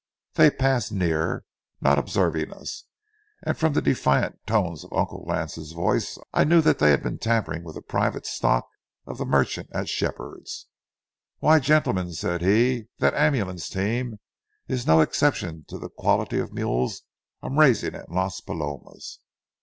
They passed near, not observing us, and from the defiant tones of Uncle Lance's voice, I knew they had been tampering with the 'private stock' of the merchant at Shepherd's. "Why, gentlemen," said he, "that ambulance team is no exception to the quality of mules I'm raising at Las Palomas.